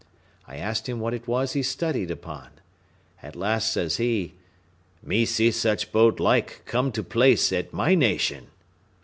I asked him what it was he studied upon. At last says he, "Me see such boat like come to place at my nation."